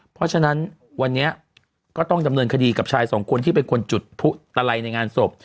เพราะฉะนั้นวันนี้ก็ต้องดำเนินคดีกับชายสองคนที่เป็นคนจุดผู้ตะไลในงานศพ